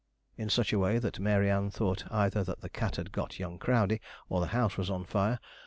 in such a way that Mary Ann thought either that the cat had got young Crowdey, or the house was on fire.